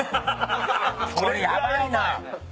これヤバいな。